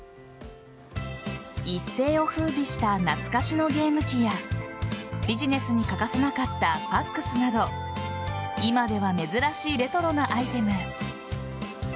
一世を風靡した懐かしのゲーム機やビジネスに欠かせなかったファックスなど今では珍しいレトロなアイテム。